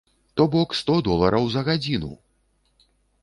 То бок сто долараў за гадзіну!